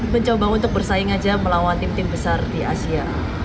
mencoba untuk bersaing aja melawan tim tim besar di asia